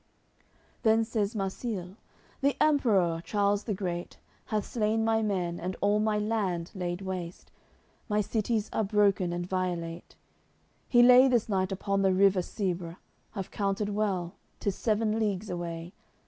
AOI. CXCVIII Then says Marsile: "The Emperour, Charles the Great Hath slain my men and all my land laid waste, My cities are broken and violate; He lay this night upon the river Sebre; I've counted well, 'tis seven leagues away.